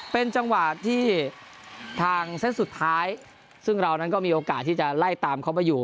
เป็นจังหวะที่ทางเซตสุดท้ายซึ่งเรานั้นก็มีโอกาสที่จะไล่ตามเขามาอยู่